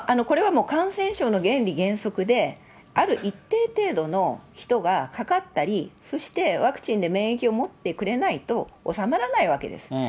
これはもう、感染症の原理原則で、ある一定程度の人がかかったり、そしてワクチンで免疫を持ってくれないとおさまらないわけです。